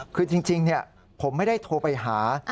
คือจริงผมไม่ได้โทรไปหา